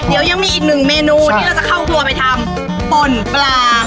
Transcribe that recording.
เดี๋ยวยังมีอีกหนึ่งเมนูที่เราจะเข้าครัวไปทำป่นปลา